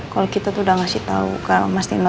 kalo kita tuh udah ngasih tau ke mas nino